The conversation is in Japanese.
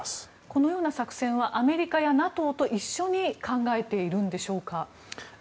このような作戦はアメリカやＮＡＴＯと一緒に考えているのでしょうか。